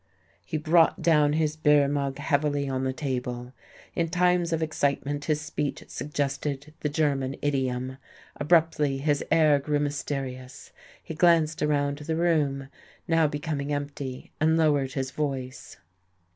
He brought down his beer mug heavily on the table. In times of excitement his speech suggested the German idiom. Abruptly his air grew mysterious; he glanced around the room, now becoming empty, and lowered his voice.